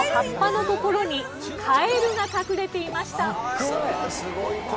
すごい。